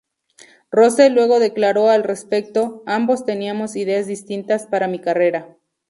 Rose luego declaró al respecto "Ambos teníamos ideas distintas para mi carrera.